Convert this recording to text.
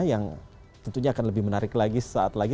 yang tentunya akan lebih menarik lagi saat lagi